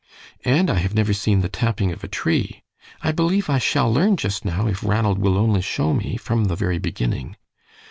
"And I have never seen the tapping of a tree. I believe I shall learn just now, if Ranald will only show me, from the very beginning."